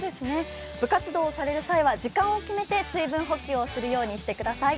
部活動をされる際は時間を決めて水分補給をするようにしてください。